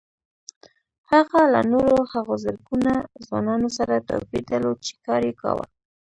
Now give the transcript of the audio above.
هغه له نورو هغو زرګونه ځوانانو سره توپير درلود چې کار يې کاوه.